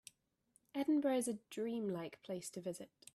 Edinburgh is a dream-like place to visit.